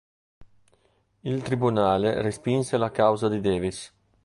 Il tribunale respinse la causa di Davis.